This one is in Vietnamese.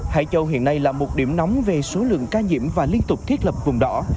hải châu hiện nay là một điểm nóng về số lượng ca nhiễm và liên tục thiết lập vùng đỏ